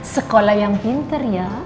sekolah yang pintar ya